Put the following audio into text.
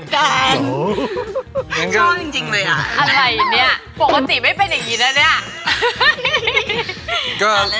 ปกติไม่เป็นอย่างงี้แล้วเนี่ย